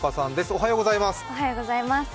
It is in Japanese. おはようございます。